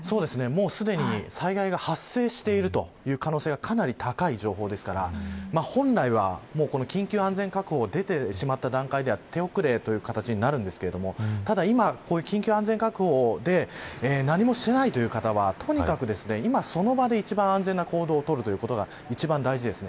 もうすでに災害が発生しているという可能性がかなり高い情報ですから本来は、緊急安全確保が出てしまった段階では手遅れという形になるんですがただ、今、緊急安全確保で何もしていないという方はとにかく今、その場で一番安全な行動を取ることが一番大事です。